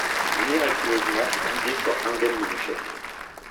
Miraculeusement, Gouhier sort indemne du choc.